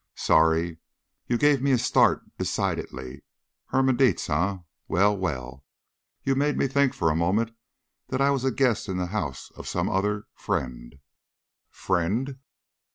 "Sorry. You gave me a start decidedly. Herman Dietz, eh? Well, well! You made me think for a moment that I was a guest in the house of some other friend." "_Friend?